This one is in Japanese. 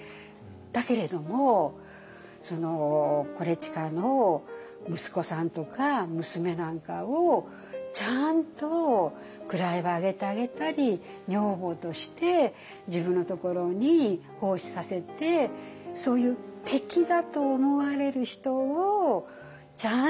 だけれども伊周の息子さんとか娘なんかをちゃんと位を上げてあげたり女房として自分のところに奉仕させてそういう敵だと思われる人をちゃんと。